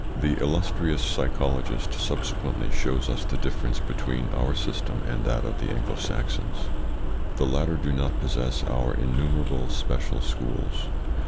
The illustrious psychologist subsequently shows us the difference between our system and that of the Anglo Saxons. The latter do not possess our innumerable special schools.